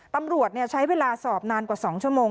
ตำรวจใช้เวลาสอบนานกว่า๒ชั่วโมง